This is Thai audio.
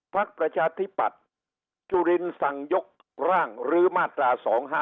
ภักษ์ประชาธิปัตย์จุฬินสังยกร่างรื้อมาตรา๒๕๖